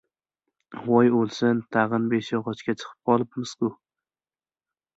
— Voy, o‘lsin, tag‘in Beshyog‘ochga chiqib qolibmizku.